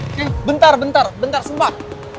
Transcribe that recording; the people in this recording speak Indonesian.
oke bentar bentar bentar sembah